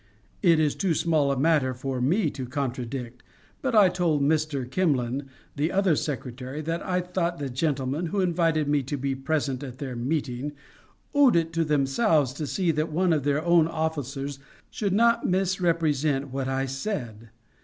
It is too small a matter for me to contradict, but I told Mr. Kimlen, the other secretary, that I thought the gentlemen who invited me to be present at their meeting owed it to themselves to see that one of their own officers should not misrepresent what I said.